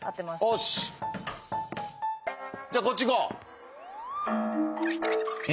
おし！じゃあこっちいこう。